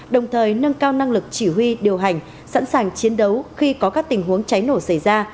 đồng thời nâng cao năng lực chỉ huy điều hành sẵn sàng chiến đấu khi có các tình huống cháy nổ xảy ra